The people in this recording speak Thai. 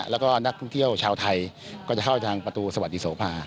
แล้วก็นักท่องเที่ยวชาวไทยก็จะเข้าทางประตูสวัสดีโสภา